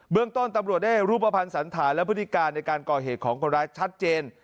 เรื่องต้นตำรวจได้รูปภัณฑ์สันฐานและพฤติการในการก่อเหตุของคนร้ายชัดเจน